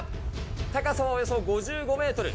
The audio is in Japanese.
高さはおよそ５５メートル。